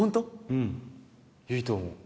うんいいと思う。